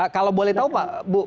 kalau boleh tahu pak